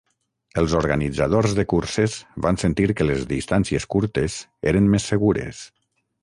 Els organitzadors de curses van sentir que les distàncies curtes eren més segures.